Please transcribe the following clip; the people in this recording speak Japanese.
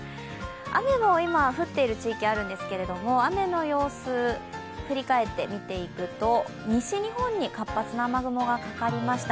雨も今、降っている地域あるんですけれども雨の様子、振り返って見ていくと西日本に活発な雨雲がかかりました。